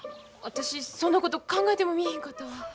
私そんなこと考えてもみいひんかったわ。